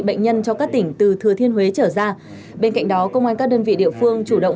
bệnh nhân cho các tỉnh từ thừa thiên huế trở ra bên cạnh đó công an các đơn vị địa phương chủ động